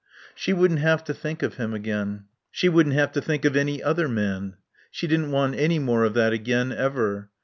She wouldn't have to think of him again. She wouldn't have to think of any other man. She didn't want any more of that again, ever.